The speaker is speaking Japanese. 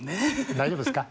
大丈夫ですか？